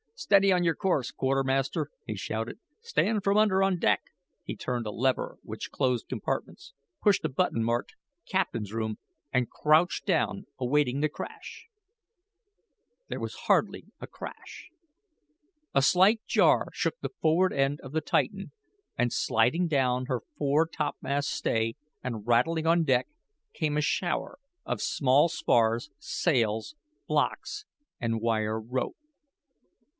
"Steady on your course, quartermaster," he shouted. "Stand from under on deck." He turned a lever which closed compartments, pushed a button marked "Captain's Room," and crouched down, awaiting the crash. There was hardly a crash. A slight jar shook the forward end of the Titan and sliding down her fore topmast stay and rattling on deck came a shower of small spars, sails, blocks, and wire rope.